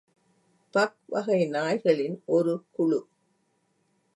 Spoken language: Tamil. பக் வகை நாய்களின் ஒரு குழு.